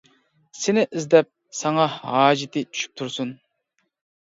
سېنى ئىزدەپ، ساڭا ھاجىتى چۈشۈپ تۇرسۇن!